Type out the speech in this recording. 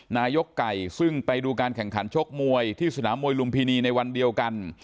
นายกไก่ซึ่งไปดูการแข่งขันชกมวยที่สนามมวยลุมพินีในวันเดียวกัน